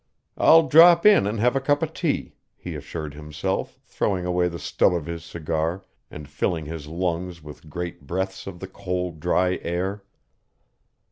"I'll drop in and have a cup of tea," he assured himself, throwing away the stub of his cigar and filling his lungs with great breaths of the cold, dry air.